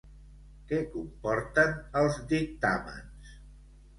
Què comporten els dictàmens?